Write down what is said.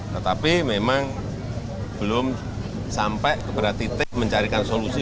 tetapi memang belum sampai kepada titik mencarikan solusi